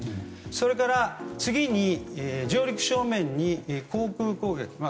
それから次に上陸正面に航空攻撃。